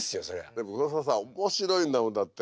でも黒澤さん面白いんだもんだって。